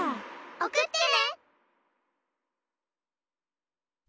・おくってね。